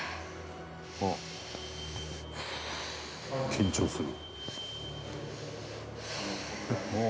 「緊張する」